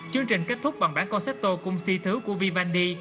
chương trình kết thúc bằng bản concepto cung si thứ của vivandi